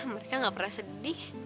mereka gak pernah sedih